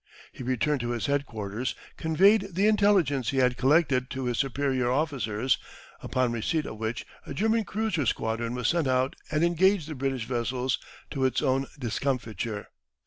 He returned to his headquarters, conveyed the intelligence he had collected to his superior officers, upon receipt of which a German cruiser squadron was sent out and engaged the British vessels to its own discomfiture.